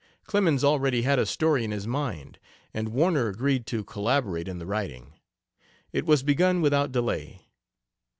Clemens already had a story in his mind, and Warner agreed to collaborate in the writing. It was begun without delay.